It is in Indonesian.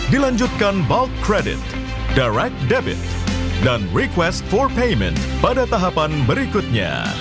dua ribu dua puluh satu dilanjutkan bulk credit direct debit dan request for payment pada tahapan berikutnya